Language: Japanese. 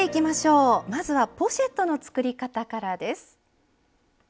まずはポシェットの作り方からです。